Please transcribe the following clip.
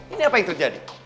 ini apa yang terjadi